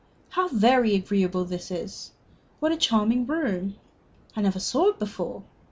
"How very agreeable this is! What a charming room! I never saw it before.